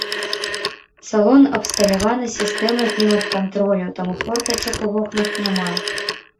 Салон абсталяваны сістэмай клімат-кантролю, таму фортачак ў вокнах няма.